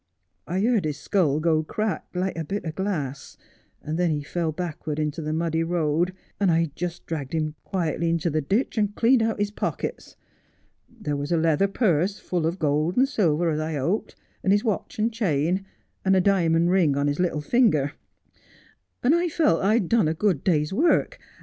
I heard his skull go crack, like a bit o' glass, and then he fell backwards into the muddy road, and I just dragged him quietly into the ditch and cleaned out his pockets. There was a leather purse full of gold and silver, as I hoped, and his watch and chain, and a diamond ring on his little finger, and I felt 1 had done a good day's work.